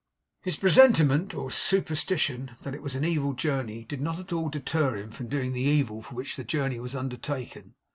His presentiment, or superstition, that it was an evil journey, did not at all deter him from doing the evil for which the journey was undertaken.